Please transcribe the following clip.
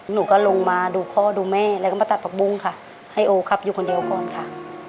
หนูก็ลงมาดูพ่อดูแม่แล้วก็มาตัดผักบุ้งค่ะให้โอครับอยู่คนเดียวก่อนค่ะ